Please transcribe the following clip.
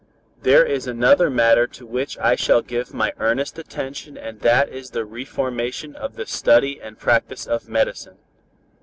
"There is another matter to which I shall give my earnest attention and that is the reformation of the study and practice of medicine.